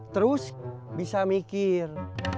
terus bisa mikir